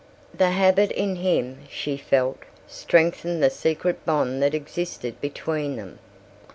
The habit in him, she felt, strengthened the secret bond that existed between them.